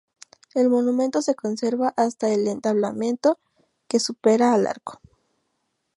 El monumento se conserva hasta el entablamento que supera al arco.